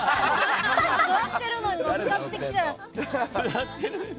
座ってるのに乗っかってきてる。